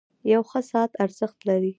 • یو ښه ساعت ارزښت لري.